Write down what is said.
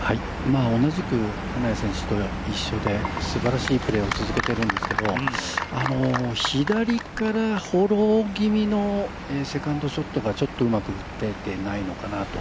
同じく金谷選手と同じですばらしいプレーを続けているんですけれども左からフォロー気味のセカンドショットがちょっとうまく打てていないのかなと。